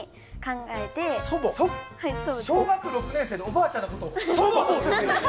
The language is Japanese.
小学６年生でおばあちゃんのことを祖母と呼んでる？